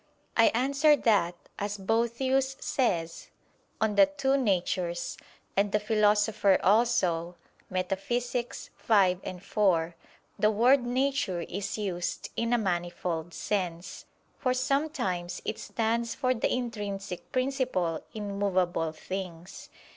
I answer that, As Boethius says (De Duabus Nat.) and the Philosopher also (Metaph. v, 4) the word "nature" is used in a manifold sense. For sometimes it stands for the intrinsic principle in movable things.